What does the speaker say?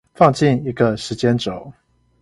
放進一個時間軸